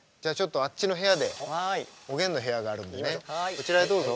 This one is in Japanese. こちらへどうぞ。